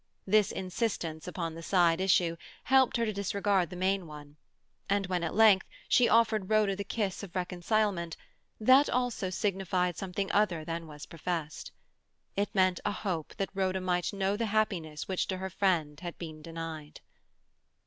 This insistence upon the side issue helped her to disregard the main one, and when at length she offered Rhoda the kiss of reconcilement, that also signified something other than was professed. It meant a hope that Rhoda might know the happiness which to her friend had been denied.